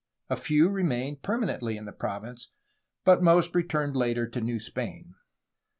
A few remained permanently in the province, but most returned later to New Spain.